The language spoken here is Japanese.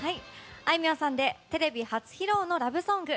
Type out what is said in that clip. あいみょんさんでテレビ初披露のラブソング